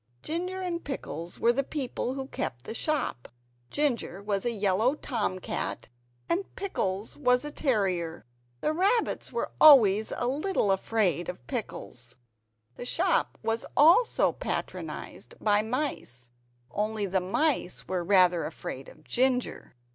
Ginger and Pickles were the people who kept the shop. Ginger was a yellow tomcat, and Pickles was a terrier. The rabbits were always a little bit afraid of Pickles. The shop was also patronized by mice only the mice were rather afraid of Ginger.